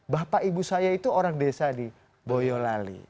bapak ibu saya itu orang desa di boyolali